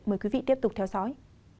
mời quý vị tiếp tục theo dõi